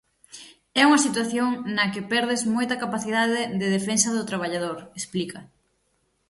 "É unha situación na que perdes moita capacidade de defensa do traballador", explica.